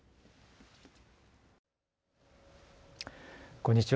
こんにちは。